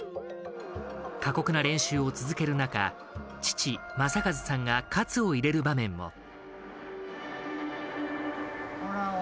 過酷な練習を続ける中父・正和さんが喝を入れる場面も。